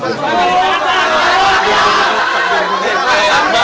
terima kasih atas sejarah kita